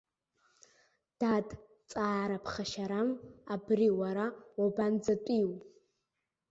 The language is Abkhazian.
Дад, ҵаара ԥхашьарам, абри уара уабанӡатәиу?